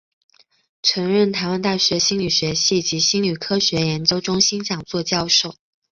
曾任台湾大学心理学系及心理科学研究中心讲座教授。